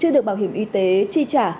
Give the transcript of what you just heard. được bảo hiểm y tế tri trả